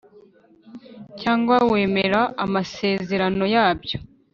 cyangwa wemera amasezerano yabyo